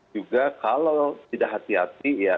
juga kalau tidak hati hati ya